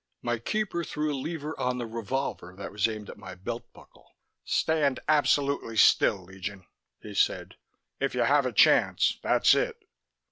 My keeper threw a lever on the revolver that was aimed at my belt buckle. "Stand absolutely still, Legion," he said. "If you have a chance, that's it."